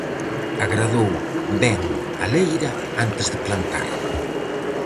Agradou ben a leira antes de plantar.